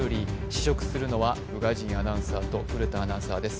試食するのは宇賀神アナウンサーと古田アナウンサーです。